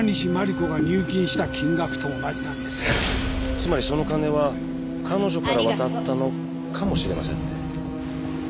つまりその金は彼女から渡ったのかもしれませんね。